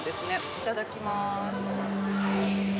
いただきます。